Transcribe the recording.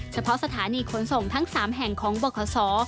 เฉพาะสถานีขนส่งทั้ง๓แห่งของบริษฐศร